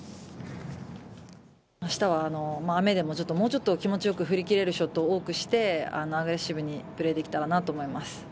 あしたは雨でも、もうちょっと気持ちよく振り切れるショットを多くして、アグレッシブにプレーできたらなと思います。